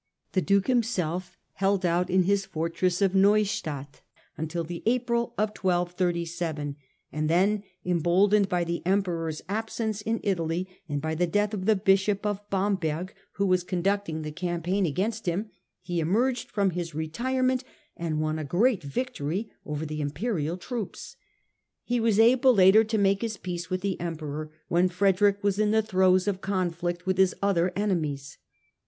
The Duke himself held out in his fortress of Neustadt until the April of 1237, and then, emboldened by the Emperor's absence in Italy and by the death of the Bishop of Bamberg, THE REBELLIOUS SON 143 who was conducting the campaign against him, he emerged from his retirement and won a great victory over the Imperial troops. He was able later to make his peace with the Emperor, when Frederick was in the throes of conflict with his other enemies.